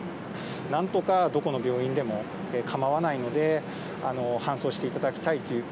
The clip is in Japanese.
なんとか、どこの病院でも構わないので、搬送していただきたいという。